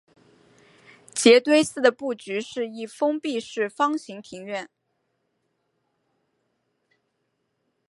杰堆寺的布局是一封闭式方形庭院。